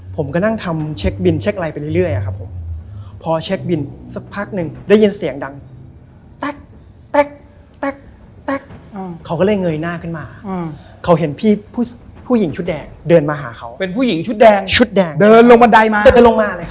ไปเป็นเพื่อนพี่หน่อยดิ